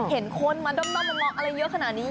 เห็นคนมาด้อมมามองอะไรเยอะขนาดนี้